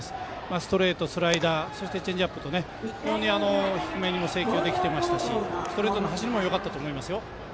ストレート、スライダーそしてチェンジアップと非常に低めに制球できてましたしストレートの走りもよかったと思いますよ。